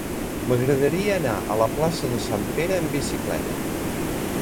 M'agradaria anar a la plaça de Sant Pere amb bicicleta.